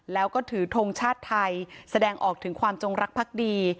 แล้วก็ถือทงชาติไทยแสดงออกถึงความจงรักพักดี